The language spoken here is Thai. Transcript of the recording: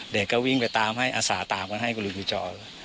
เด็กก็วิ่งไปตามให้อาสาตามกันให้ก็เลยจอด